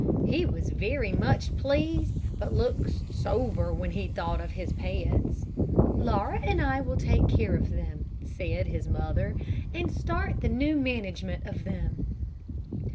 He was very much pleased, but looked sober when he thought of his pets. "Laura and I will take care of them," said his mother, "and start the new management of them."